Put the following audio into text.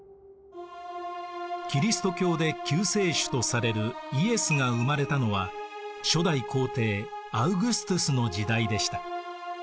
キリスト教で救世主とされるイエスが生まれたのは初代皇帝アウグストゥスの時代でした。